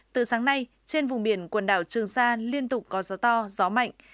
từ sáng nay trên vùng biển quần đảo trường sa liên tục có gió to gió mạnh